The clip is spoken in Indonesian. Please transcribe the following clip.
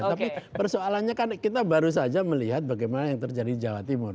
tapi persoalannya kan kita baru saja melihat bagaimana yang terjadi di jawa timur